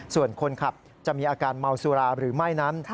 ส่วนคนขับจะมีอาการเมาสุราหรือไม่นั้น